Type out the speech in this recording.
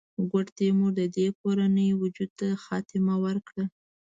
ګوډ تیمور د دې کورنۍ وجود ته خاتمه ورکړه.